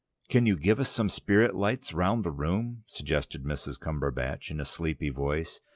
"Can you give us some spirit lights round the room?" suggested Mrs. Cumberbatch in a sleepy voice.